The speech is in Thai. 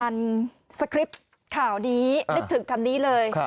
สคริปต์ข่าวนี้นึกถึงคำนี้เลย